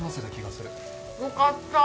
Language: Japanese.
よかった。